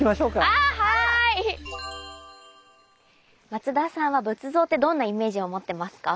松田さんは仏像ってどんなイメージを持ってますか？